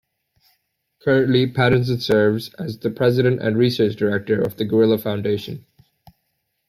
Currently, Patterson serves as the President and Research Director of The Gorilla Foundation.